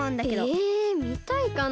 えみたいかなあ？